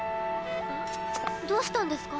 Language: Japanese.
どうしたんですか？